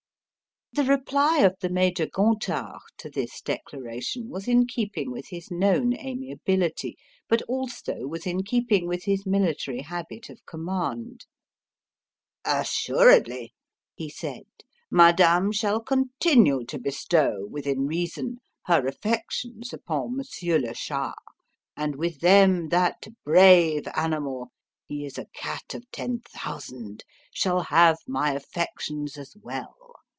The reply of the Major Gontard to this declaration was in keeping with his known amiability, but also was in keeping with his military habit of command. "Assuredly," he said, "Madame shall continue to bestow, within reason, her affections upon Monsieur le Shah; and with them that brave animal he is a cat of ten thousand shall have my affections as well.